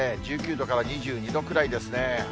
１９度から２２度くらいですね。